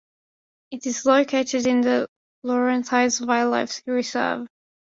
It is located in the Laurentides Wildlife Reserve.